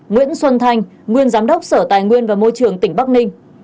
nguyễn xuân thanh nguyên giám đốc sở tài nguyên và môi trường tỉnh bắc ninh